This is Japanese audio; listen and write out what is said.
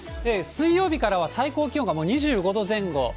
水曜日からは最高気温がもう２５度前後。